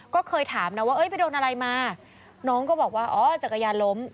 ก็เคยถามว่าไปโดนอะไรมาน้องก็บอกว่าจักรยานล้ม